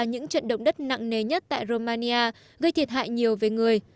những trận động đất nặng nề nhất tại romania gây thiệt hại nhiều về người